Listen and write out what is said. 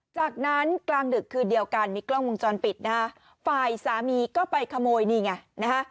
จากนั้นกลางหนึ่งคือเดียวกันมีกล้องมงจรปิดฝ่ายสามีก็ไปขโมยนี่ไง